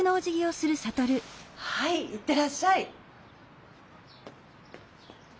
はい行ってらっしゃい。